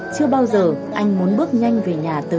chưa bao giờ anh muốn bước nhanh về nhà tới vậy